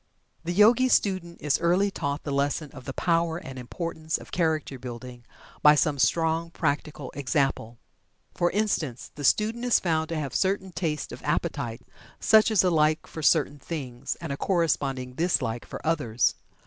The Yogi student is early taught the lesson of the power and importance of character building by some strong practical example. For instance, the student is found to have certain tastes of appetite, such as a like for certain things, and a corresponding dislike for others.